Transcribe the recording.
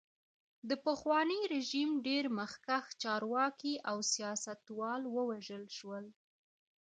د پخواني رژیم ډېر مخکښ چارواکي او سیاستوال ووژل شول.